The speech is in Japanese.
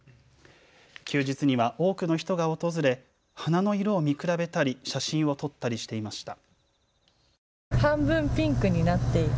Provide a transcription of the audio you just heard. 休日には多くの人が訪れ花の色を見比べたり写真を撮ったりしていました。